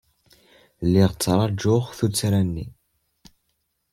Lliɣ ttṛajuɣ tuttra-nni.